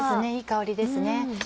いい香りですね。